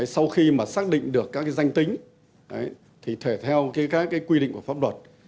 sau khi mà xác định được các danh tính thì thể theo các quy định của pháp luật